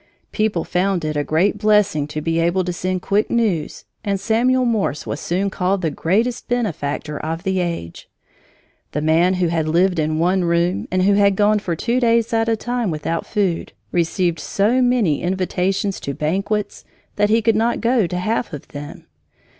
People found it a great blessing to be able to send quick news, and Samuel Morse was soon called the greatest benefactor of the age. The man who had lived in one room and who had gone for two days at a time without food received so many invitations to banquets that he could not go to half of them.